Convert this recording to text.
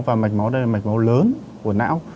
và mạch máu đây là mạch máu lớn của não